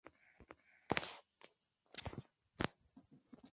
Es hijo de Sook Choi-jong y Chun Jung-hak, tiene un hermano mayor, Jung Joon-ha.